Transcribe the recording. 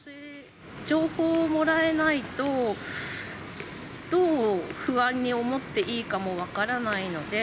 情報をもらえないと、どう不安に思っていいかも分からないので。